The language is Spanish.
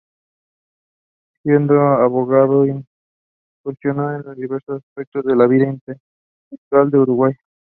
Siendo abogado, incursionó en diversos aspectos de la vida intelectual del Uruguay.